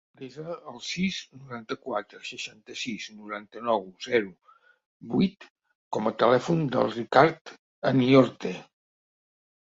Desa el sis, noranta-quatre, seixanta-sis, noranta-nou, zero, vuit com a telèfon del Ricard Aniorte.